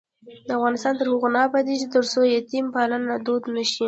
افغانستان تر هغو نه ابادیږي، ترڅو یتیم پالنه دود نشي.